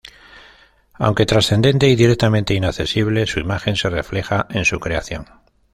Aunque trascendente y directamente inaccesible, su imagen se refleja en su creación.